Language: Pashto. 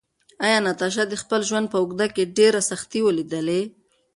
ایا ناتاشا د خپل ژوند په اوږدو کې ډېرې سختۍ ولیدلې؟